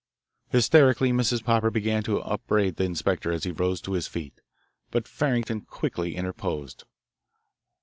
Hysterically Mrs. Popper began to upbraid the inspector as he rose to his feet, but Farrington quickly interposed.